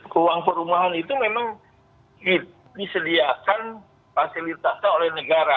keuang perumahan itu memang disediakan fasilitasa oleh negara